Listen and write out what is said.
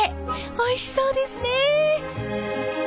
おいしそうですねえ。